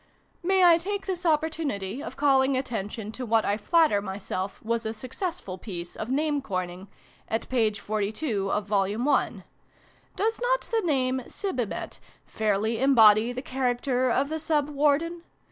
PREFACE. xvii May I take this opportunity of calling attention to what I flatter myself was a successful piece of name coining, at p. 42 of Vol. I. Does not the name ' Sibimet ' fairly embody the character of the Sub Warden